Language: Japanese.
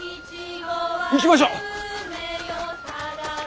行きましょう。